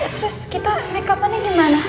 terus kita make up annya gimana